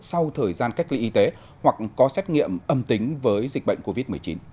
sau thời gian cách ly y tế hoặc có xét nghiệm âm tính với dịch bệnh covid một mươi chín